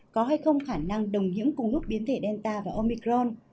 có hay không khả năng đồng nhiễm cùng lúc biến thể delta và omicron